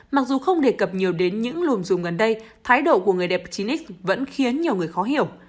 mặc dù không đề cập nhiều đến những lùm dù gần đây thái độ của người đẹp chín x vẫn khiến nhiều người khó hiểu